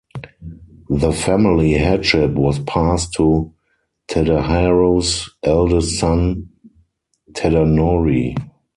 The family headship was passed to Tadaharu's eldest son Tadanori.